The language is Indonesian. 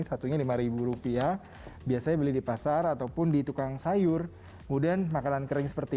satunya lima ribu rupiah biasanya beli di pasar ataupun di tukang sayur kemudian makanan kering seperti